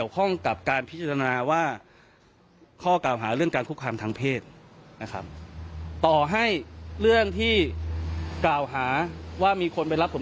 ต้องพิจารณาแยกจากกัน